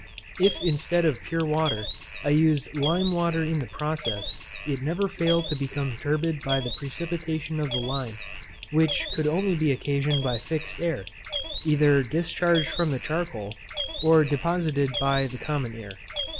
If, instead of pure water, I used lime water in this process, it never failed to become turbid by the precipitation of the lime, which could only be occasioned by fixed air, either discharged from the charcoal, or deposited by the common air.